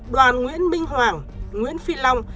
đoàn nguyễn minh hoàng nguyễn phi long